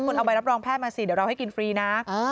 คุณเอาใบรับรองแพทย์มาสิเดี๋ยวเราให้กินฟรีนะ